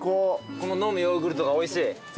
こののむヨーグルトがおいしい。